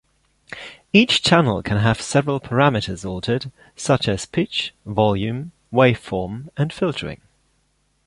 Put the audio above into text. Each channel can have several parameters altered, such as pitch, volume, waveform, and filtering.